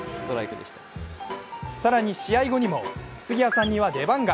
更に試合後にも杉谷さんには出番が。